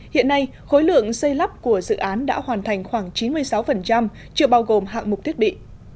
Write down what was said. hiện nay khối lượng xây lắp của dự án đã hoàn thành khoảng chín mươi sáu chưa bao gồm hạng mục thiết bị